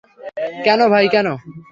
কেন ভাই কেন?